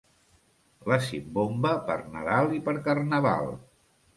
La simbomba, per Nadal i per Carnaval.